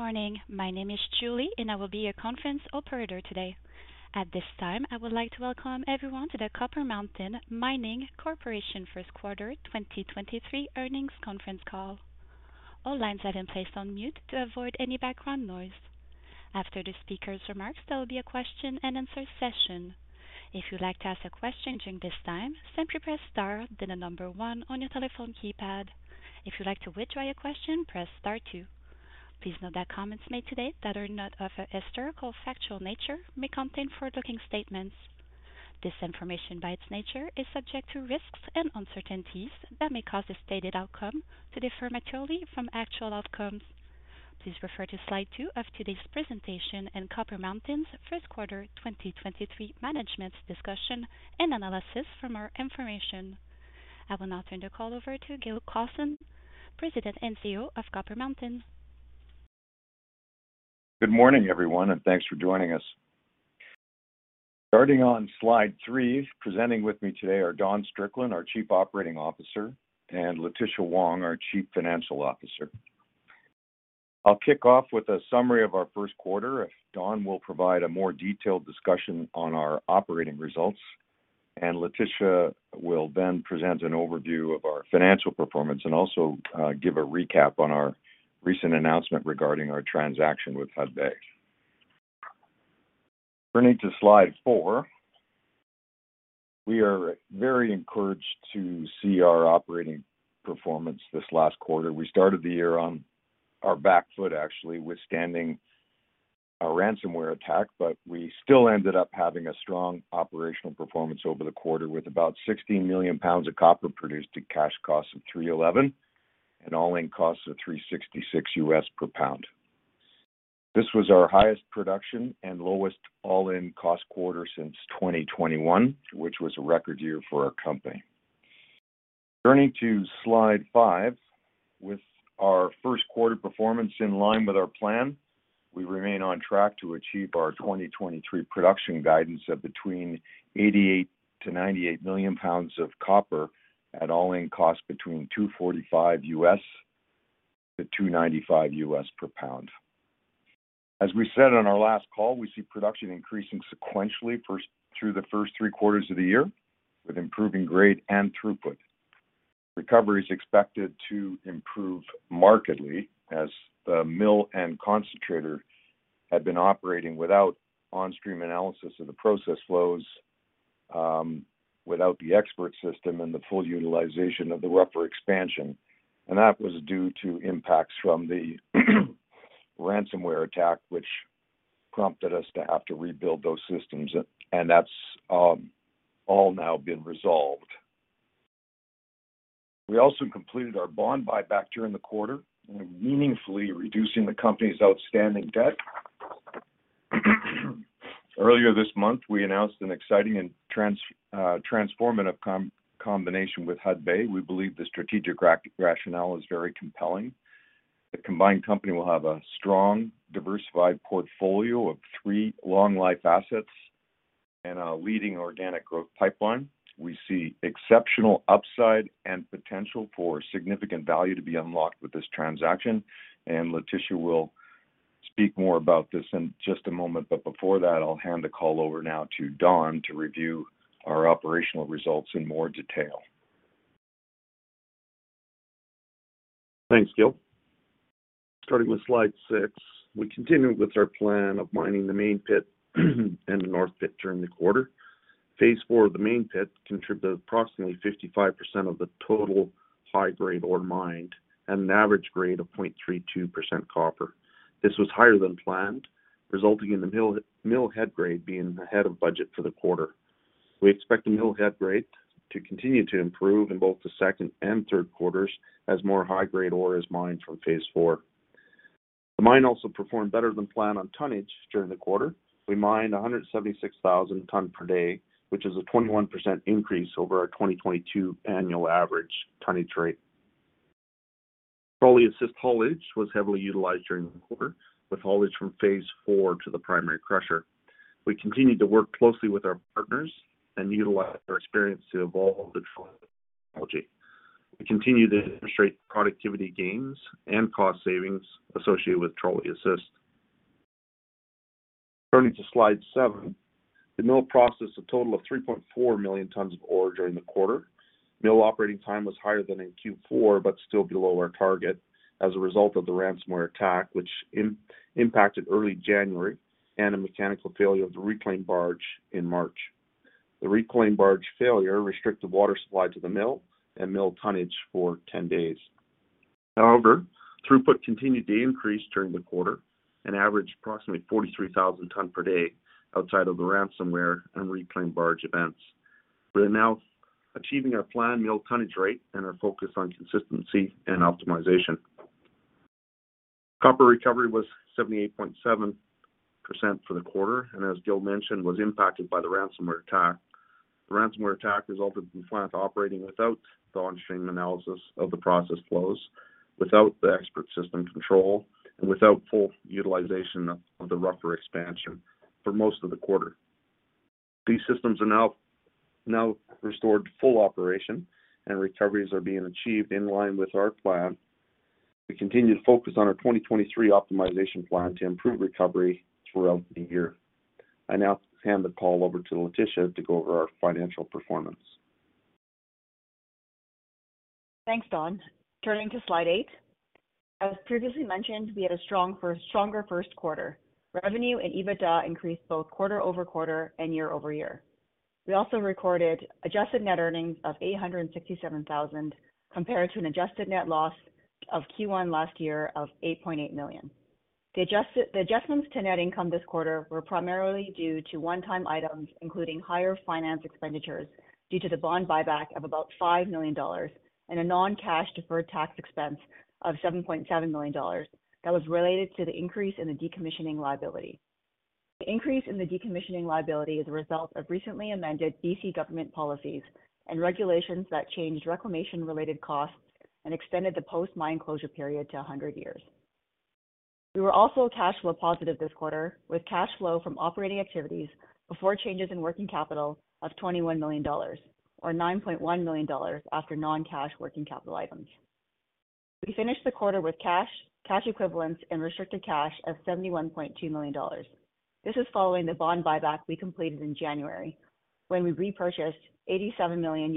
Good morning. My name is Julie, and I will be your conference operator today. At this time, I would like to welcome everyone to the Copper Mountain Mining Corporation first quarter 2023 earnings conference call. All lines have been placed on mute to avoid any background noise. After the speaker's remarks, there will be a question-and-answer session. If you'd like to ask a question during this time, simply press star then the number one on your telephone keypad. If you'd like to withdraw your question, press star two. Please note that comments made today that are not of a historical factual nature may contain forward-looking statements. This information, by its nature, is subject to risks and uncertainties that may cause the stated outcome to differ materially from actual outcomes. Please refer to slide 2 of today's presentation and Copper Mountain's first quarter 2023 management's discussion and analysis for more information. I will now turn the call over to Gil Clausen, President and CEO of Copper Mountain. Good morning, everyone, and thanks for joining us. Starting on slide 3, presenting with me today are Don Strickland, our Chief Operating Officer, and Letitia Wong, our Chief Financial Officer. I'll kick off with a summary of our first quarter. Don will provide a more detailed discussion on our operating results, and Letitia will then present an overview of our financial performance and also give a recap on our recent announcement regarding our transaction with Hudbay. Turning to slide 4. We are very encouraged to see our operating performance this last quarter. We started the year on our back foot, actually withstanding a ransomware attack. We still ended up having a strong operational performance over the quarter with about 16 million pounds of copper produced at cash costs of $3.11 and all-in costs of $3.66 per pound. This was our highest production and lowest all-in costs quarter since 2021, which was a record year for our company. Turning to slide 5. With our first quarter performance in line with our plan, we remain on track to achieve our 2023 production guidance of between 88 to 98 million pounds of copper at all-in costs between $2.45 to $2.95 per pound. As we said on our last call, we see production increasing sequentially through the first three quarters of the year with improving grade and throughput. Recovery is expected to improve markedly as the mill and concentrator had been operating without on-stream analysis of the process flows, without the expert system and the full utilization of the rougher expansion. That was due to impacts from the ransomware attack, which prompted us to have to rebuild those systems and that's all now been resolved. We also completed our bond buyback during the quarter, meaningfully reducing the company's outstanding debt. Earlier this month, we announced an exciting and transformative combination with Hudbay. We believe the strategic rationale is very compelling. The combined company will have a strong, diversified portfolio of three long life assets and a leading organic growth pipeline. We see exceptional upside and potential for significant value to be unlocked with this transaction, and Letitia will speak more about this in just a moment, but before that, I'll hand the call over now to Don to review our operational results in more detail. Thanks, Gil. Starting with slide 6. We continued with our plan of mining the main pit and the north pit during the quarter. Phase IV of the main pit contributed approximately 55% of the total high-grade ore mined at an average grade of 0.32% copper. This was higher than planned, resulting in the mill head grade being ahead of budget for the quarter. We expect the mill head grade to continue to improve in both the second and third quarters as more high-grade ore is mined from Phase IV. The mine also performed better than planned on tonnage during the quarter. We mined 176,000 tons per day, which is a 21% increase over our 2022 annual average tonnage rate. Trolley assist haulage was heavily utilized during the quarter, with haulage from Phase IV to the primary crusher. We continued to work closely with our partners and utilized our experience to evolve the trolley technology. We continue to demonstrate productivity gains and cost savings associated with trolley assist. Turning to slide seven. The mill processed a total of 3.4 million tons of ore during the quarter. Mill operating time was higher than in Q4, but still below our target as a result of the ransomware attack, which impacted early January, and a mechanical failure of the reclaim barge in March. The reclaim barge failure restricted water supply to the mill and mill tonnage for 10 days. Throughput continued to increase during the quarter and averaged approximately 43,000 tons per day outside of the ransomware and reclaim barge events. We are now achieving our planned mill tonnage rate and are focused on consistency and optimization. Copper recovery was 78.7% for the quarter, and as Gil mentioned, was impacted by the ransomware attack. The ransomware attack resulted in the plant operating without the on-stream analysis of the process flows, without the expert system control, and without full utilization of the rougher expansion for most of the quarter. These systems are now restored to full operation. Recoveries are being achieved in line with our plan. We continue to focus on our 2023 optimization plan to improve recovery throughout the year. I now hand the call over to Letitia to go over our financial performance. Thanks, Don. Turning to slide eight. As previously mentioned, we had a stronger first quarter. Revenue and EBITDA increased both quarter-over-quarter and year-over-year. We also recorded adjusted net earnings of $867,000 compared to an adjusted net loss of Q1 last year of $8.8 million. The adjustments to net income this quarter were primarily due to one-time items, including higher finance expenditures due to the bond buyback of about $5 million and a non-cash deferred tax expense of $7.7 million that was related to the increase in the decommissioning liability. The increase in the decommissioning liability is a result of recently amended BC government policies and regulations that changed reclamation related costs and extended the post-mine closure period to 100 years. We were also cash flow positive this quarter, with cash flow from operating activities before changes in working capital of $21 million or $9.1 million after non-cash working capital items. We finished the quarter with cash equivalents, and restricted cash of $71.2 million. This is following the bond buyback we completed in January, when we repurchased $87 million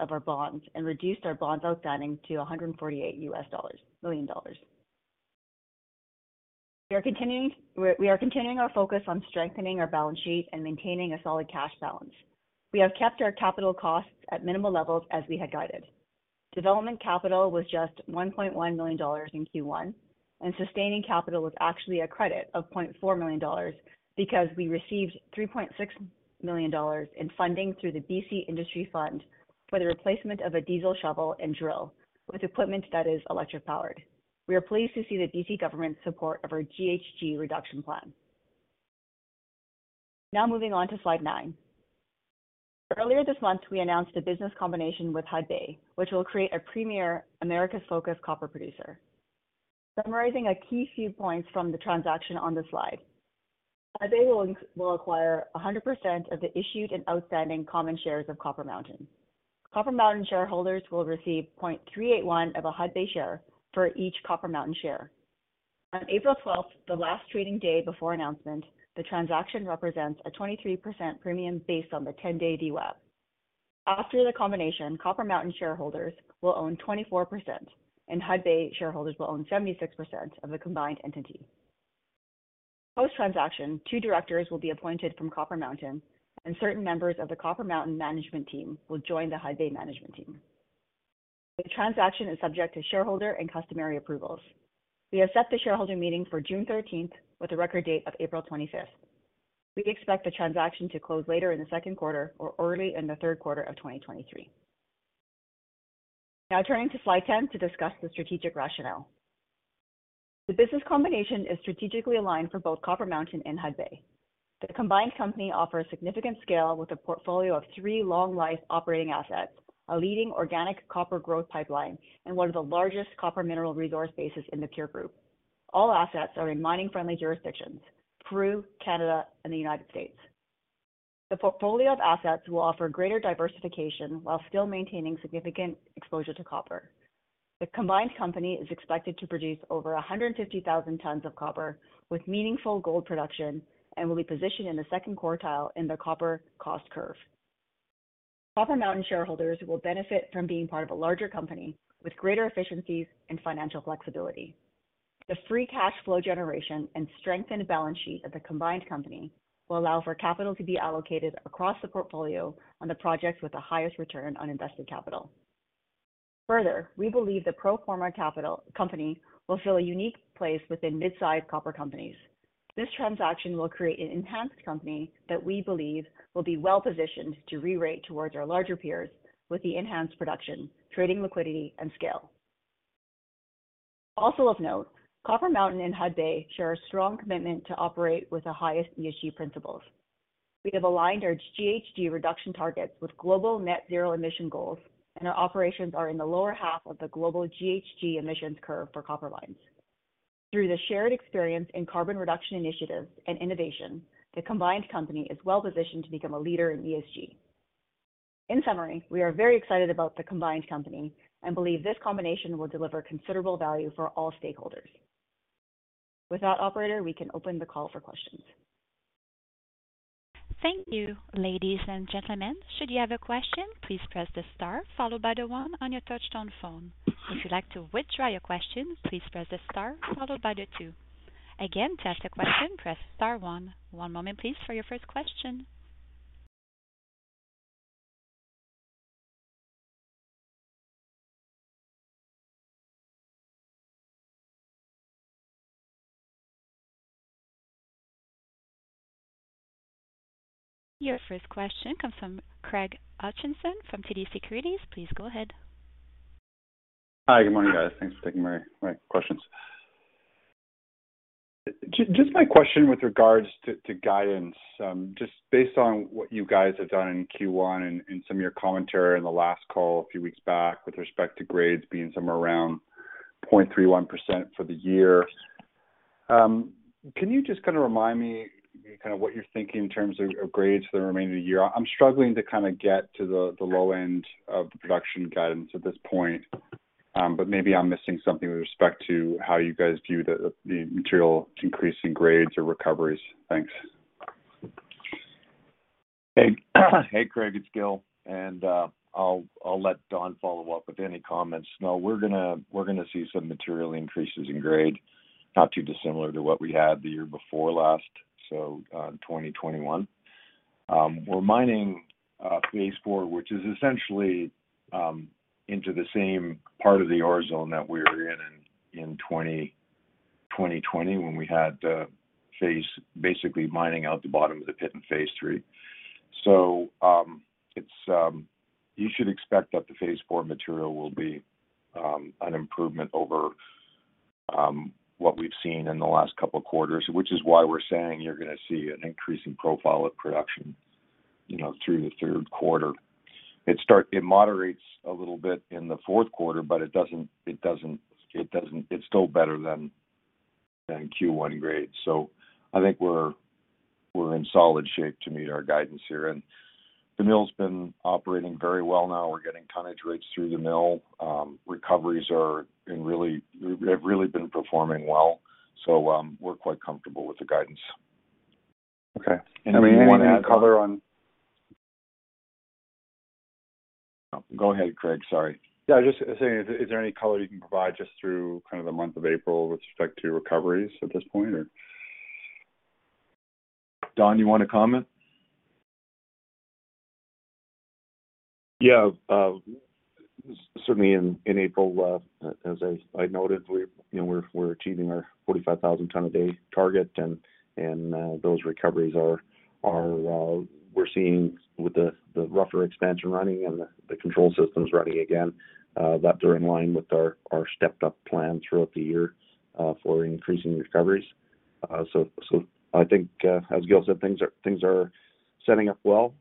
of our bonds and reduced our bonds outstanding to $148 million. We are continuing our focus on strengthening our balance sheet and maintaining a solid cash balance. We have kept our capital costs at minimal levels as we had guided. Development capital was just $1.1 million in Q1, and sustaining capital was actually a credit of $0.4 million because we received $3.6 million in funding through the CleanBC Industry Fund for the replacement of a diesel shovel and drill with equipment that is electric-powered. We are pleased to see the BC government support of our GHG reduction plan. Moving on to slide 9. Earlier this month, we announced a business combination with Hudbay, which will create a premier Americas-focused copper producer. Summarizing a key few points from the transaction on the slide. Hudbay will acquire 100% of the issued and outstanding common shares of Copper Mountain. Copper Mountain shareholders will receive 0.381 of a Hudbay share for each Copper Mountain share. On April 12th, the last trading day before announcement, the transaction represents a 23% premium based on the 10-day VWAP. After the combination, Copper Mountain shareholders will own 24% and Hudbay shareholders will own 76% of the combined entity. Post-transaction, 2 directors will be appointed from Copper Mountain and certain members of the Copper Mountain management team will join the Hudbay management team. The transaction is subject to shareholder and customary approvals. We have set the shareholder meeting for June 13th with a record date of April 25th. We expect the transaction to close later in the second quarter or early in the third quarter of 2023. Turning to slide 10 to discuss the strategic rationale. The business combination is strategically aligned for both Copper Mountain and Hudbay. The combined company offers significant scale with a portfolio of 3 long life operating assets, a leading organic copper growth pipeline, and one of the largest copper mineral resource bases in the peer group. All assets are in mining-friendly jurisdictions, Peru, Canada, and the United States. The portfolio of assets will offer greater diversification while still maintaining significant exposure to copper. The combined company is expected to produce over 150,000 tons of copper with meaningful gold production and will be positioned in the second quartile in the copper cost curve. Copper Mountain shareholders will benefit from being part of a larger company with greater efficiencies and financial flexibility. The free cash flow generation and strengthened balance sheet of the combined company will allow for capital to be allocated across the portfolio on the projects with the highest return on invested capital. Further, we believe the pro forma capital company will fill a unique place within mid-size copper companies. This transaction will create an enhanced company that we believe will be well-positioned to rerate towards our larger peers with the enhanced production, trading liquidity and scale. Also of note, Copper Mountain and Hudbay share a strong commitment to operate with the highest ESG principles. We have aligned our GHG reduction targets with global net zero emission goals, and our operations are in the lower half of the global GHG emissions curve for copper mines. Through the shared experience in carbon reduction initiatives and innovation, the combined company is well-positioned to become a leader in ESG. In summary, we are very excited about the combined company and believe this combination will deliver considerable value for all stakeholders. With that operator, we can open the call for questions. Thank you, ladies and gentlemen. Should you have a question, please press the star followed by the 1 on your touch-tone phone. If you'd like to withdraw your question, please press the star followed by the 2. To ask a question, press star 1. One moment, please, for your first question. Your first question comes from Craig Hutchison from TD Securities. Please go ahead. Hi. Good morning, guys. Thanks for taking my questions. Just my question with regards to guidance, just based on what you guys have done in Q1 and some of your commentary in the last call a few weeks back with respect to grades being somewhere around 0.31% for the year. Can you just kinda remind me kind of what you're thinking in terms of grades for the remainder of the year? I'm struggling to kinda get to the low end of the production guidance at this point. Maybe I'm missing something with respect to how you guys view the material increase in grades or recoveries. Thanks. Hey, hey Craig, it's Gil. I'll let Don Strickland follow up with any comments. We're gonna see some material increases in grade, not too dissimilar to what we had the year before last, so, 2021. We're mining Phase IV, which is essentially into the same part of the ore zone that we were in 2020 when we had basically mining out the bottom of the pit in Phase III. You should expect that the Phase IV material will be an improvement over what we've seen in the last couple of quarters, which is why we're saying you're gonna see an increasing profile of production, you know, through the 3rd quarter. It moderates a little bit in the fourth quarter, but it's still better than Q1 grades. I think we're in solid shape to meet our guidance here. The mill's been operating very well now. We're getting tonnage rates through the mill. Recoveries are in they've really been performing well. We're quite comfortable with the guidance. Okay. I mean, any color? Go ahead, Craig, sorry. Yeah, just saying is there any color you can provide just through kind of the month of April with respect to recoveries at this point, or? Don, you wanna comment? Yeah, certainly in April, as I noted, we, you know, we're achieving our 45,000 ton a day target, and those recoveries are, we're seeing with the rougher expansion running and the control systems running again, that they're in line with our stepped up plan throughout the year, for increasing recoveries. I think, as Gil said, things are setting up well.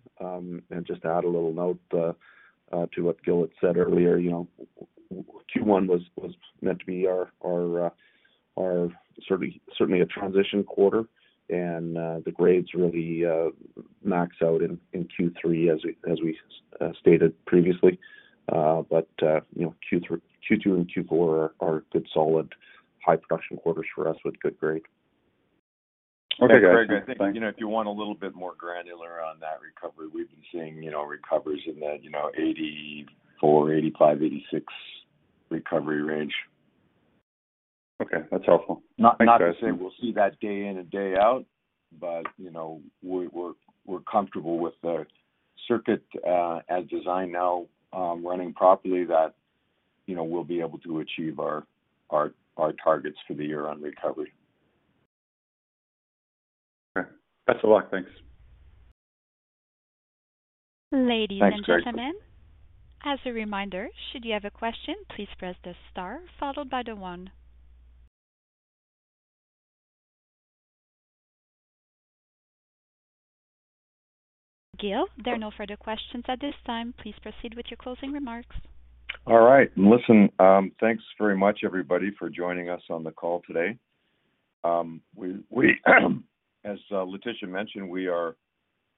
Just to add a little note, to what Gil had said earlier, you know, Q1 was meant to be our certainly a transition quarter. The grades really, max out in Q3 as we stated previously. You know, Q2 and Q4 are good solid high production quarters for us with good grade. Okay, great. You know, if you want a little bit more granular on that recovery, we've been seeing, you know, recoveries in that, you know, 84%, 85%, 86% recovery range. Okay. That's helpful. Not to say we'll see that day in and day out, but, you know, we're comfortable with the circuit as designed now, running properly that, you know, we'll be able to achieve our targets for the year on recovery. Okay. Best of luck. Thanks. Ladies and gentlemen. Thanks, Craig. As a reminder, should you have a question, please press the star followed by the one. Gil, there are no further questions at this time. Please proceed with your closing remarks. All right. Listen, thanks very much everybody for joining us on the call today. As Letitia mentioned, we're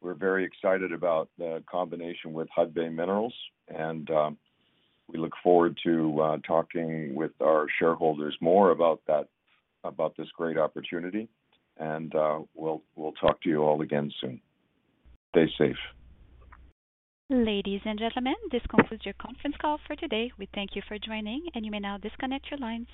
very excited about the combination with Hudbay Minerals, we look forward to talking with our shareholders more about that, about this great opportunity, we'll talk to you all again soon. Stay safe. Ladies and gentlemen, this concludes your conference call for today. We thank you for joining. You may now disconnect your lines.